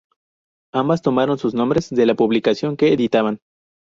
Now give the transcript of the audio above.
Ambas tomaron sus nombres de la publicación que editaban.